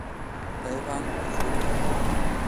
Evan Fournier